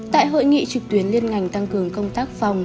tại hội nghị trực tuyến liên ngành tăng cường công tác phòng